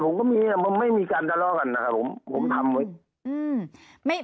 ผมก็มีไม่มีการตลอดกันนะครับผมผมทำไว้